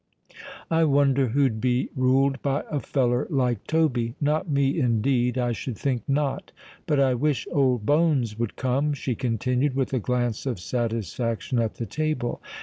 "I wonder who'd be ruled by a feller like Toby? Not me, indeed! I should think not. But I wish old Bones would come," she continued, with a glance of satisfaction at the table.